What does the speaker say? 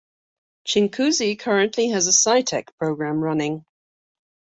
Chinguacousy currently has a SciTech Program running.